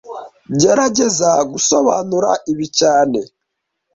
Gerageza gusobanura ibi cyane